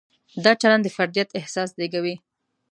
دا چلند د فردیت احساس زېږوي.